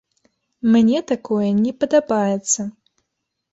Мне такое не падабаецца.